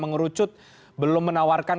mengerucut belum menawarkan